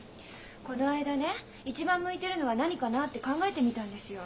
この間ね一番向いてるのは何かなって考えてみたんですよ。